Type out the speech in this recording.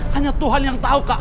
hanya tuhan yang tahu kak